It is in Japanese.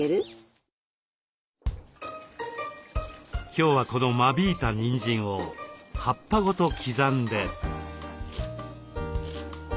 今日はこの間引いたにんじんを葉っぱごと刻んで。